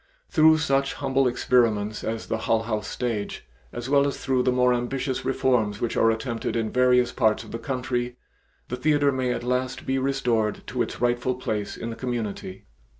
Through such humble experiments as the Hull House stage, as well as through the more ambitious reforms which are attempted in various parts of the country, the theatre may at last be restored to its rightful place in the community.